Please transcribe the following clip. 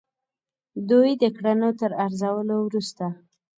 دوی د کړنو تر ارزولو وروسته.